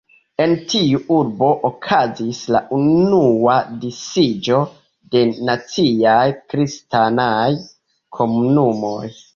En tiu urbo okazis la unua disiĝo de naciaj kristanaj komunumoj.